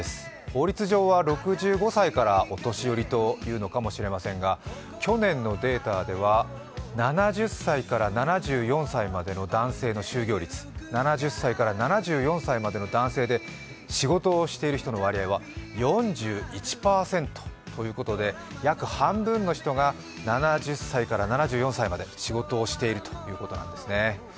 法律上は６５歳からお年寄りといわれるのかもしれませんが去年のデータでは７０歳から７４歳までの男性で仕事をしている人の割合は４１％ということで約半分の人が７０歳から７４歳まで仕事をしているということなんですね。